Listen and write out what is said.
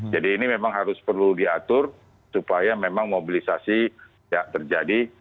jadi ini memang harus perlu diatur supaya memang mobilisasi tidak terjadi